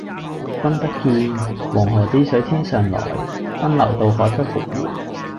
君不見，黃河之水天上來，奔流到海不復回。